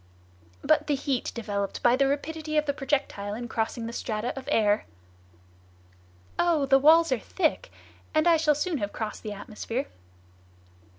"But the heat developed by the rapidity of the projectile in crossing the strata of air?" "Oh! the walls are thick, and I shall soon have crossed the atmosphere."